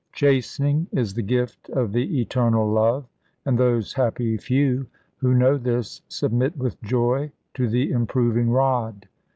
Chastening is the gift of the eternal love, and those happy few who know this submit with joy to the improving rod.